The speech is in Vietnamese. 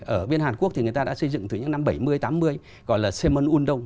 ở bên hàn quốc thì người ta đã xây dựng từ những năm bảy mươi tám mươi gọi là sê mân un đông